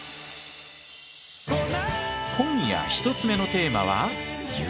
今夜１つ目のテーマは雪。